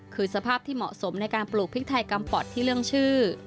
คือสภาพที่เหมาะสมในการปลูกพริกไทยกำปอดที่เรื่องชื่อ